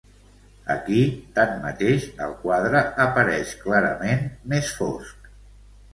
Aquí, tanmateix, el quadre apareix clarament més fosc.